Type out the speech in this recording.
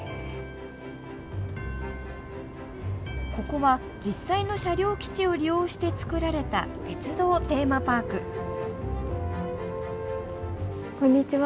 ここは実際の車両基地を利用してつくられた鉄道テーマパークこんにちは。